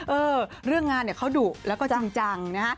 เออเรื่องงานเนี่ยเขาดุแล้วก็จังนะฮะ